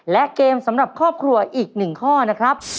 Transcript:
และเกมสำหรับครอบครัวอีก๑ข้อนะครับ